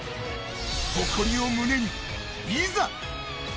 誇りを胸に、いざ！